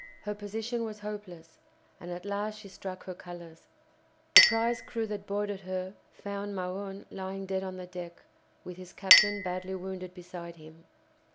Her position was hopeless, and at last she struck her colours. The prize crew that boarded her found Magon lying dead on the deck, with his captain, badly wounded, beside him.